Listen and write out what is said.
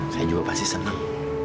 saya juga pasti senang